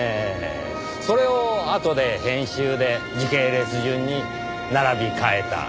それをあとで編集で時系列順に並び替えた。